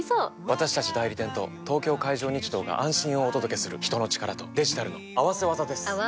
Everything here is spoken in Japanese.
私たち代理店と東京海上日動が安心をお届けする人の力とデジタルの合わせ技です！